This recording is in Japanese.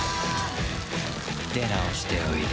出直しておいで。